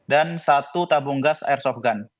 dan satu tabung gas airsoft gun